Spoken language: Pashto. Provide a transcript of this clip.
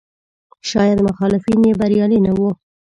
شاید مخالفین یې بریالي نه وو.